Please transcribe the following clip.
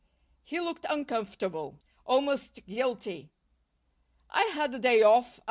He looked uncomfortable, almost guilty. "I had a day off.